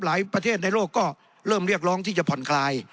ประเทศในโลกก็เริ่มเรียกร้องที่จะผ่อนคลาย